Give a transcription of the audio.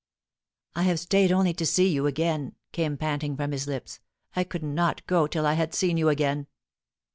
"I have stayed only to see you again," came panting from his lips. "I could not go till I had seen you again!"